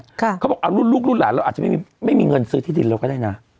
เขาบอกเอารุ่นลูกรุ่นหลานเราอาจจะไม่มีไม่มีเงินซื้อที่ดินเราก็ได้นะ